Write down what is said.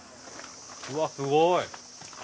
うわっすごい。